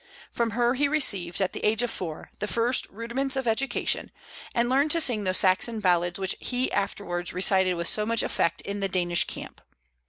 From her he received, at the age of four, the first rudiments of education, and learned to sing those Saxon ballads which he afterwards recited with so much effect in the Danish camp.